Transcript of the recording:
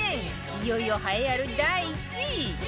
いよいよ栄えある第１位！